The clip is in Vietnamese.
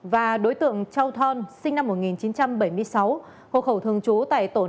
và đối tượng châu thon sinh năm một nghìn chín trăm bảy mươi sáu hộ khẩu thường trú tại tổ năm